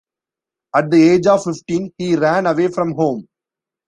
At the age of fifteen he ran away from home.